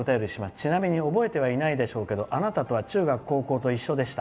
ちなみに覚えてはいないでしょうけどあなたとは中学・高校と一緒でした」。